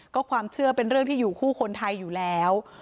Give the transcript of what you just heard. ก็ความเชื่อเป็นเรื่องที่อยู่คู่คนไทยอยู่แล้ว